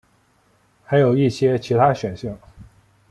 还有一些其他选项。